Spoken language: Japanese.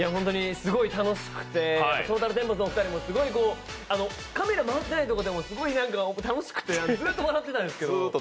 すごい楽しくてトータルテンボスのお二人もすごい、カメラ回ってないところでも、すごい楽しくて、ずっと笑ってたんですけど。